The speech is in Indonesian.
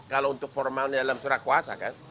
kalau untuk formalnya dalam surat kuasa kan